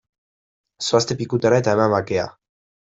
Zoazte pikutara eta eman bakea!